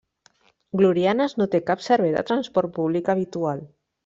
Glorianes no té cap servei de transport públic habitual.